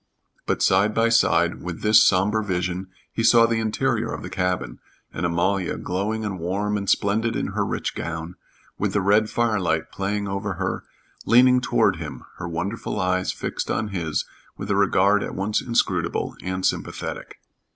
But side by side with this somber vision he saw the interior of the cabin, and Amalia, glowing and warm and splendid in her rich gown, with the red firelight playing over her, leaning toward him, her wonderful eyes fixed on his with a regard at once inscrutable and sympathetic.